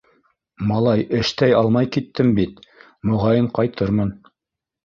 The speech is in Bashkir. Малай эштәй алмай киттем бит, моғайын ҡайтырмын.